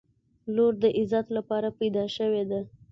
• لور د عزت لپاره پیدا شوې ده.